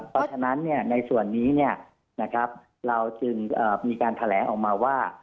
เพราะฉะนั้นในส่วนนี้เราจึงมีการแถลงออกมาว่า